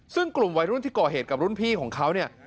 ซึ่งกลุ่มวัยรุ่นที่ก่อเหตุกับรุ่นพี่ของเขาเนี่ย